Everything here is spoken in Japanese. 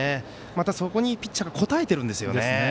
また、そこにピッチャーが応えてるんですよね。